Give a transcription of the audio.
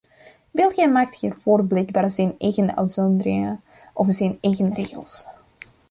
België maakt hiervoor blijkbaar zijn eigen uitzonderingen of zijn eigen regels.